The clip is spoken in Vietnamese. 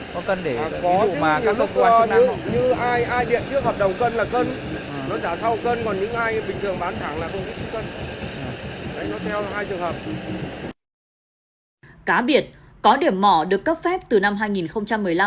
có cân để ví dụ mà các cơ quan chức năng họ